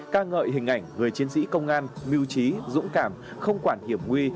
ca ngợi hình ảnh người chiến sĩ công an mưu trí dũng cảm không quản hiểm nguy